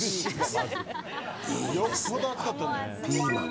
あ、ピーマン。